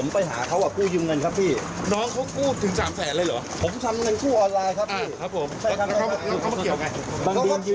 ปากกับภาคภูมิ